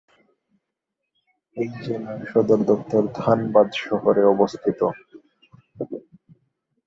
এই জেলার সদর দপ্তর ধানবাদ শহরে অবস্থিত।